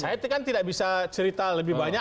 saya itu kan tidak bisa cerita lebih banyak